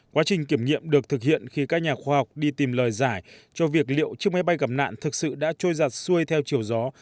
quá trình kiểm nghiệm được thực hiện khi các nhà khoa học đi tìm lời giải cho việc liệu chiếc máy bay gặp nạn thực sự đã trôi giặt xuôi theo chiều gió